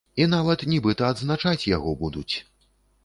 І нават нібыта адзначаць яго будуць!